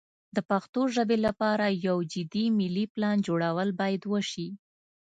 د پښتو ژبې لپاره یو جدي ملي پلان جوړول باید وشي.